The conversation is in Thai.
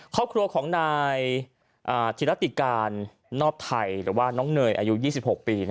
ครอบครัวของนายธิรติการนอบไทยหรือว่าน้องเนยอายุ๒๖ปี